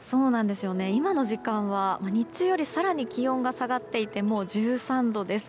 今の時間帯は日中より更に気温が下がっていてもう１３度です。